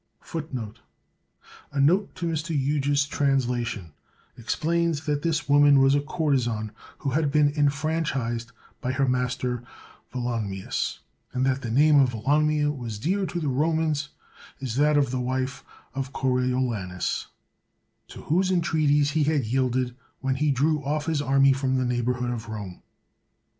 * A car fol 1 A note to Mr. Yooge^s translation explains that this woman was a courtezan who had been enfranchised by her master Volunmius, and that the name of Volunmia was dear to the Romans as that of the wife of Coriolanns, to whose entreaties he had yielded when he drew off his army from the neij^hborhood of Rome.